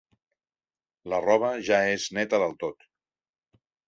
La roba ja és neta del tot.